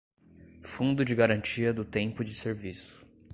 fundo de garantia do tempo de serviço;